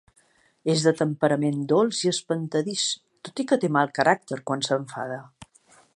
És de temperament dolç i espantadís, tot i que té mal caràcter quan s’enfada.